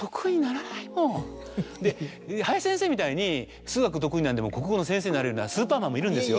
林先生みたいに数学得意なのに国語の先生になれるみたいなスーパーマンもいるんですよ。